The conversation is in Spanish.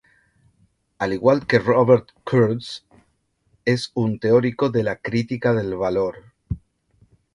Al igual que Robert Kurz, es un teórico de la crítica del valor.